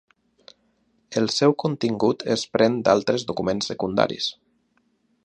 El seu contingut es pren d’altres documents secundaris.